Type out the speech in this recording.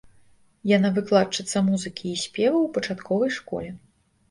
Яна выкладчыца музыкі і спеваў у пачатковай школе.